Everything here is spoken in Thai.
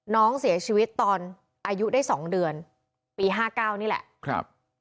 น้องเสียชีวิตตอนอายุได้สองเดือนปีห้าเก้านี่แหละ